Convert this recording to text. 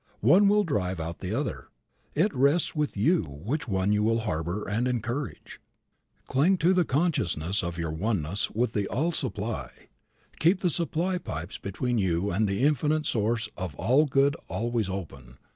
One will drive out the other. It rests with you which one you will harbor and encourage. Cling to the consciousness of your oneness with the All Supply. Keep the supply pipes between you and the Infinite Source of all good always open.